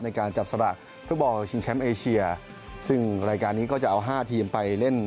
ในการจับสลากฟุตบอลชิงแชมป์เอเชียซึ่งรายการนี้ก็จะเอาห้าทีมไปเล่น